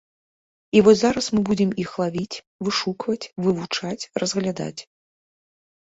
І вось зараз мы будзем іх лавіць, вышукваць, вывучаць, разглядаць.